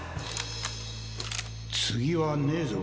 次はねえぞ。